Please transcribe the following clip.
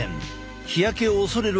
日焼けを恐れる